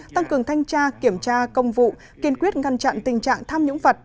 tăng cường thanh tra kiểm tra công vụ kiên quyết ngăn chặn tình trạng tham nhũng vật